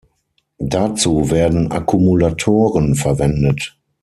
Dazu werden Akkumulatoren verwendet.